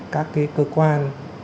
các cái cơ quan